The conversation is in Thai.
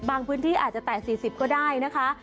พื้นที่อาจจะแตะ๔๐ก็ได้นะคะ